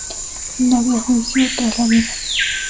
No había juicio tras la vida.